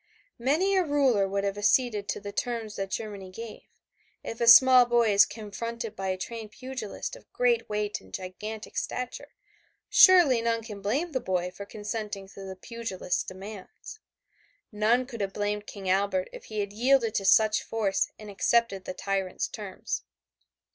Many a ruler would have acceded to the terms that Germany gave. If a small boy is confronted by a trained pugilist of great weight and gigantic stature, surely none can blame the boy for consenting to the pugilist's demands. None could have blamed King Albert if he had yielded to such force and accepted the tyrant's terms.